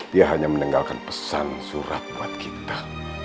dia hanya meninggalkan pesan surat buat kita